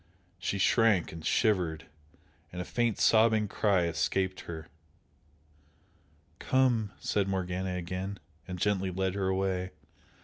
She shrank and shivered, and a faint sobbing cry escaped her. "Come!" said Morgana again, and gently led her away.